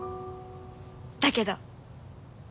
だけど。